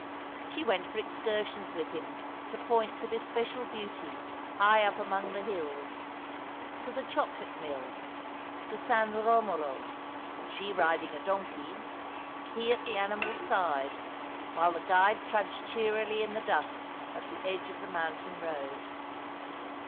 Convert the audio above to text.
She went for excursions with him to points of especial beauty high up among the hills — to the chocolate mill, to San Eomolo, she riding a donkey, he at the animal's side, while the guide trudged cheerily in the dust at the edge of the mountain road.